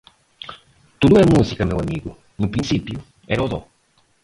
Tudo é musica, meu amigo. No principio era o dó